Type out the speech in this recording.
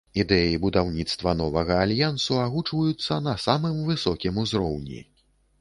Ідэі будаўніцтва новага альянсу агучваюцца на самым высокім узроўні.